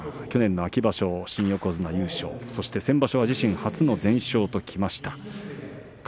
去年の秋場所新横綱優勝先場所は自身初の全勝。